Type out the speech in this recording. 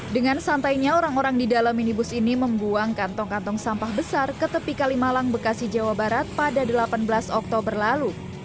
dengan santainya orang orang di dalam minibus ini membuang kantong kantong sampah besar ke tepi kalimalang bekasi jawa barat pada delapan belas oktober lalu